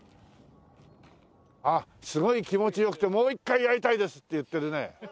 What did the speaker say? あっすごい気持ち良くてもう一回やりたいですって言ってるね。